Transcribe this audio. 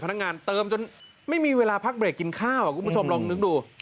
พนักงานเติมจนไม่มีเวลาพักเบรกกินข้าวคุณผู้ชมลองนึกดู